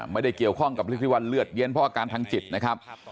ไม่ได้เกี่ยวข้องกับเรื่องที่ว่าเลือดเย็นเพราะอาการทางจิตนะครับ